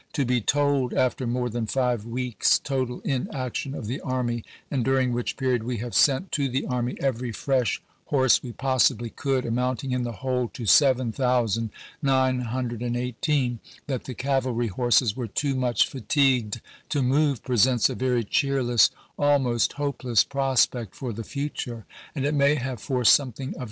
To be told, after more than five weeks' total inaction of the army, and during which period we have sent to the army every fresh horse we possibly could, amounting in the whole to 7,918,^ that the cavalry horses were too much fatigued to move, presents a very cheerless, almost hopeless, prospect for the future, and it may have forced something of impa yoh'xix..